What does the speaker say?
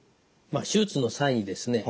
手術の際にですね